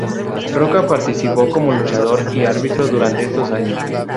Rocca participó como luchador y árbitro durante estos años.